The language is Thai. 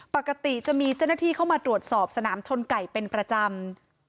ปกติจะมีเจ้าหน้าที่เข้ามาตรวจสอบสนามชนไก่เป็นประจำ